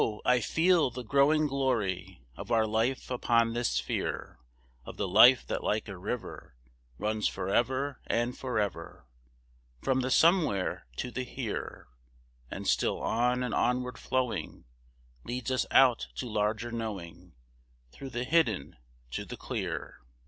I feel the growing glory Of our life upon this sphere, Of the life that like a river Runs forever and forever, From the somewhere to the here, And still on and onward flowing, Leads us out to larger knowing, Through the hidden, to the clear.